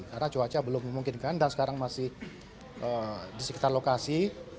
karena cuaca belum memungkinkan dan sekarang masih di sekitar lokasi